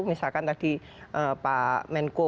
misalkan tadi pak menko